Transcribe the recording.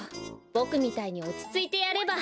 ボクみたいにおちついてやれば。